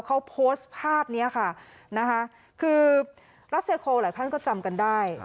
เขาโพสต์ภาพนี้ค่ะนะคะคือรัสเซโคลหลายท่านก็จำกันได้